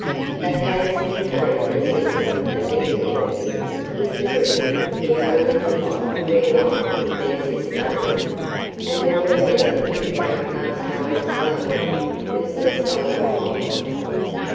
The house became the centre of the universe; in truth the only spot where life could be sustained, and more than ever the great cast iron stove was the soul of it.